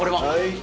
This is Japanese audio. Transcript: はい。